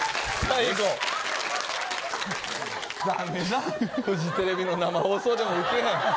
駄目だ、フジテレビの生放送でもウケない。